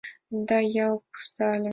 Да, ял пуста ыле.